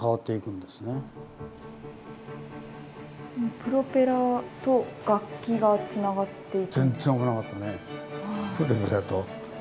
プロペラと楽器がつながっていく。